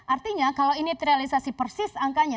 artinya kalau ini terrealisasi persis angkanya